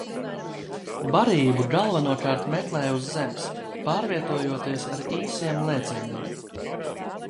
Barību galvenokārt meklē uz zemes, pārvietojoties ar īsiem lēcieniem.